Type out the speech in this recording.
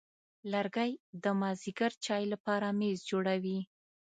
لرګی د مازېګر چای لپاره میز جوړوي.